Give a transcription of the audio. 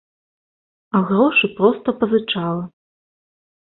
А грошы проста пазычала.